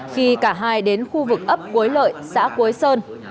khi cả hai đến khu vực ấp quối lợi xã quối sơn